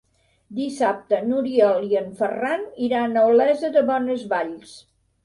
Dissabte n'Oriol i en Ferran iran a Olesa de Bonesvalls.